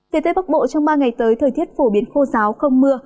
từ tới bắc bộ trong ba ngày tới thời tiết phổ biến khô ráo không mưa